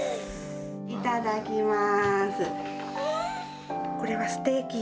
いただきます。